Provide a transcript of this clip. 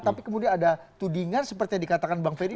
tapi kemudian ada tudingan seperti yang dikatakan bang ferry